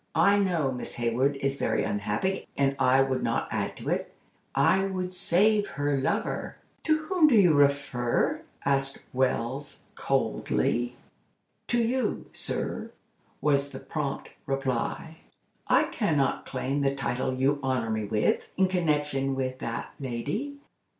I know Miss Hayward is very unhappy, and I would not add to it. I would save her lover." "To whom do you refer?" asked Wells, coldly. "To you, sir," was the prompt reply. "I can not claim the title you honor me with, in connection with that lady.